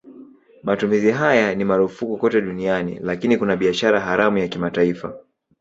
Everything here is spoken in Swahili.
Matumizi haya ni marufuku kote duniani lakini kuna biashara haramu ya kimataifa.